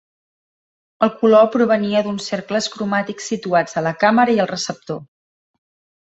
El color provenia d'uns cercles cromàtics situats a la càmera i al receptor.